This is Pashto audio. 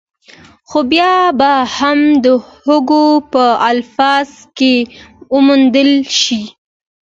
خو بيا به هم د هوګو په الفاظو کې وموندل شي.